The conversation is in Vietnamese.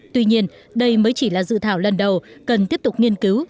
tuy nhiên đây mới chỉ là dự thảo lần đầu cần tiếp tục nghiên cứu